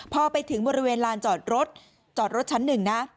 พอไปถึงบริเวณลานจอดรถจอดรถชั้นหนึ่งนะ